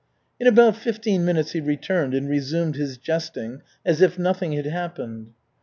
In about fifteen minutes he returned and resumed his jesting as if nothing had happened.